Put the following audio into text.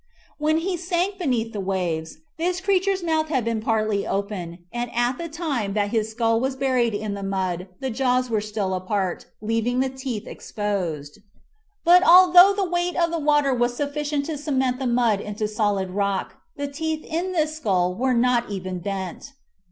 When he sank beneath the waves, this creature's mouth had been partly open and at the time that his (37) . Davis THE DEAD DINOSAUR AFTER THE BATTLE 38 MIGHTY ANIMALS skull was buried in the mud the jaws were still apart, leaving the teeth exposed. But, although the weight of the water was sufficient to cement the mud into solid rock, the teeth in this skull were not even bent.